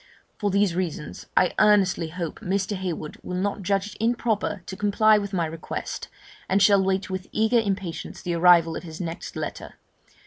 For these reasons, I earnestly hope Mr. Heywood will not judge it improper to comply with my request, and shall wait with eager impatience the arrival of his next letter.